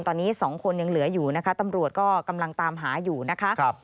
ตอนนี้๒คนยังเหลืออยู่นะคะตำรวจก็กำลังตามหาอยู่นะคะ